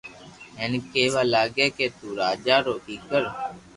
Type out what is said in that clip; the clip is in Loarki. ھين ڪي وا لاگيا ڪي تو راجا رو ڪيڪر